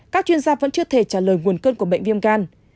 các chuyên gia vẫn chưa thể trả lời nguồn cơn của bệnh viêm gan